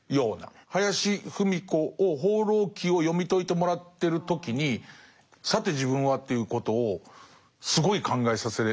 林芙美子を「放浪記」を読み解いてもらってる時に「さて自分は？」ということをすごい考えさせられましたね。